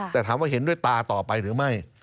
แต่ถามว่าเห็นด้วยตาต่อไปหรือไม่